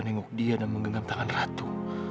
nengok dia dan menggegam tangan ratu